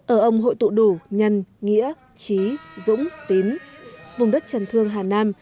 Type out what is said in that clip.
ở ông hội tụ đủ nhân nghĩa trí dũng tín vùng đất trần thương hà nam